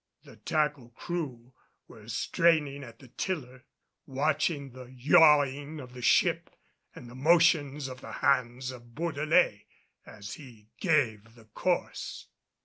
The tackle crew were straining at the tiller watching the yawing of the ship and the motions of the hands of Bourdelais as he gave the course.